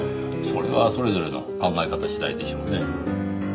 それはそれぞれの考え方次第でしょうねぇ。